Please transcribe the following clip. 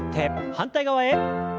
反対側へ。